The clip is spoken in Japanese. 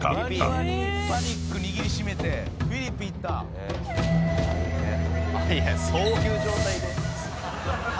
ワニワニパニック握り締めてフィリピン行った⁉そういう状態で⁉裸？